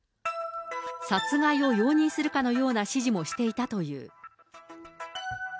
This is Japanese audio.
殺害を容認するかのような指示もしていたという。